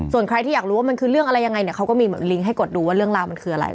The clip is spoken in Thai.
ส่วนใครที่อยากรู้ว่ามันคือเรื่องอะไรยังไงเนี่ยเขาก็มีลิงกให้กดดูว่าเรื่องราวมันคืออะไร